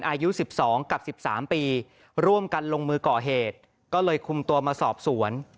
อายุ๑๒กับ๑๓ปีร่วมกันลงมือก่อเหตุก็เลยคุมตัวมาสอบสวน